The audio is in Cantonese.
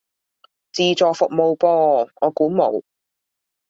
自助服務噃，我估冇